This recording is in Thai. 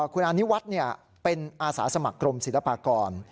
คุณอานิวัฒน์เป็นอาสาสมัครกรมศิลปากร